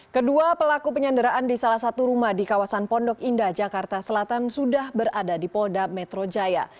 kedua pelaku penyanderaan di salah satu rumah di kawasan pondok indah jakarta selatan sudah berada di polda metro jaya